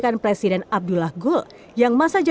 kami siap untuk melindungi mereka